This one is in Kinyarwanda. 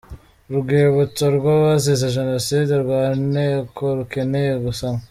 Urwibutso rw’abazize Jenoside rwa Nteko rukeneye gusanwa.